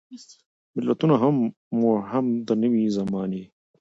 متلونه مو هم د نوې زمانې